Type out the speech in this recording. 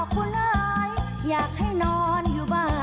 ก็ได้อย่างน้อย